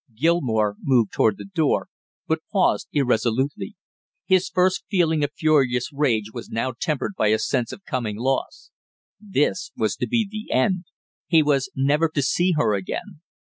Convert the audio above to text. Gilmore moved toward the door, but paused irresolutely. His first feeling of furious rage was now tempered by a sense of coming loss. This was to be the end; he was never to see her again!